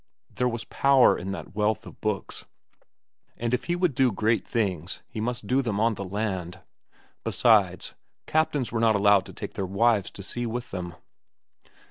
There was power in all that wealth of books, and if he would do great things, he must do them on the land. Besides, captains were not allowed to take their wives to sea with them.